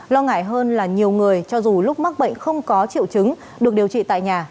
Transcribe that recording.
lo ngại hơn là nhiều người cho dù lúc mắc bệnh không có triệu chứng được điều trị tại nhà